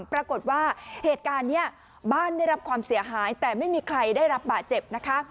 ปรากฏว่าเหตุการณ์นี้บ้านได้รับความเสียหายแต่ไม่มีใครได้รับบาดเจ็บนะคะ